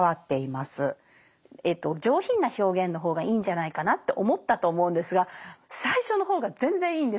上品な表現の方がいいんじゃないかなって思ったと思うんですが最初の方が全然いいんですよ。